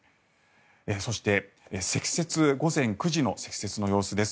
そして、積雪午前９時の積雪の様子です。